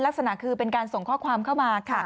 ลักษณะคือเป็นการส่งข้อความเข้ามาค่ะ